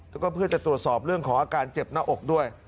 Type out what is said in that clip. แล้วก็เพื่อจะตรวจสอบเรื่องของอาการเจ็บหน้าอกด้วย